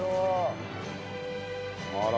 あら。